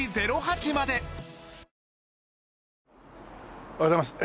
おはようございます。